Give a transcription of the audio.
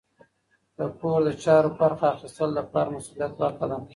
د کور د چارو برخه اخیستل د پلار د مسؤلیت برخه ده.